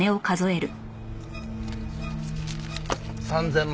３０００万